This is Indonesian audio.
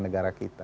pada negara kita